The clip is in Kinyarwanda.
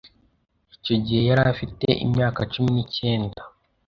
Icyo gihe yari afite imyaka cumi nicyenda